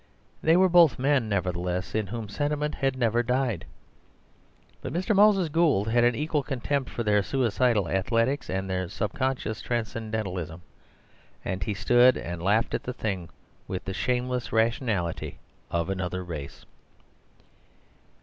They were both men, nevertheless, in whom sentiment had never died. But Mr. Moses Gould had an equal contempt for their suicidal athletics and their subconscious transcendentalism, and he stood and laughed at the thing with the shameless rationality of another race.